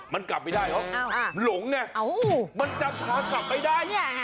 มันกลับไปได้หรอหลงเนี่ยมันจะกลับไปได้